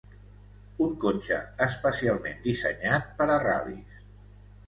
Un cotxe especialment dissenyat per a ral·lis.